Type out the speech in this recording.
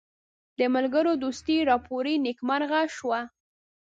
د ملګرو دوستي راپوري نیکمرغه شوه.